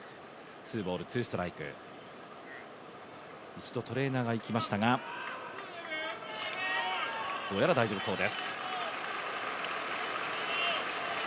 一度トレーナーが行きましたが、どうやら大丈夫そうです。